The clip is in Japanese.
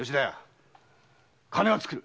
金はつくる。